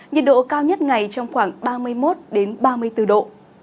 nhiệt độ cao nhất ngày trong khoảng ba mươi một ba mươi bốn độ